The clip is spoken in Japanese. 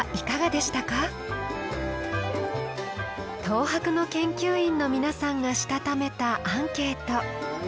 東博の研究員の皆さんがしたためたアンケート。